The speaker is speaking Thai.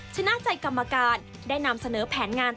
ชนะใจกรรมการได้นำเสนอแผนงาน